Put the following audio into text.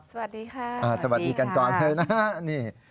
สวัสดีค่ะสวัสดีค่ะสวัสดีกันก่อนเลยนะ